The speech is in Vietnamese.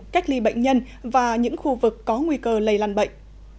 cách ly bệnh nhân và những khu vực có nguy cơ lây lan bệnh